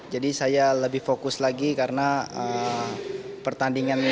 jadi saya lebih fokus lagi karena pertandingan ini